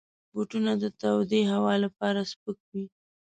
بوټونه د تودې هوا لپاره سپک وي.